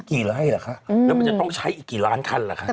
กี่ไร่เหรอคะแล้วมันจะต้องใช้อีกกี่ล้านคันเหรอคะ